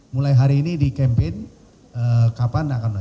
mulai hari ini di kempen kapan akan